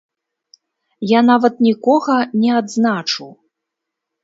Я нават нікога не адзначу.